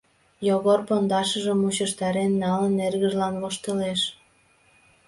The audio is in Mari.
Йогор, пондашыжым мучыштарен налын, эргыжлан воштылеш.